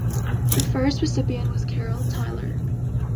The first recipient was Carol Tyler.